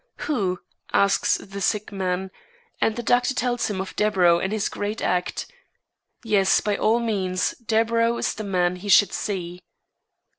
"Who?" asks the sick man, and the doctor tells him of Deburau and his great art. Yes, by all means Deburau is the man he should see.